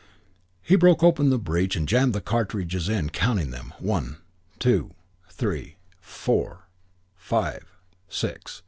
He broke open the breech and jammed the cartridges in, counting them, "One, two, three, four, five, six!"